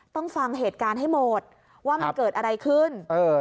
ฟังเหตุการณ์ให้หมดว่ามันเกิดอะไรขึ้น